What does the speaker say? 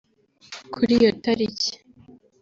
Kuri iyo tariki